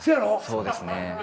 そうですね。